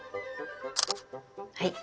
はい。